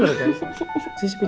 gak mau aku gak dibeliin